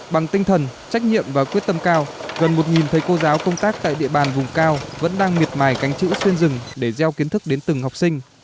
bằng tinh thần trách nhiệm và quyết tâm cao gần một thầy cô giáo công tác tại địa bàn vùng cao vẫn đang miệt mài cánh chữ xuyên rừng để gieo kiến thức đến từng học sinh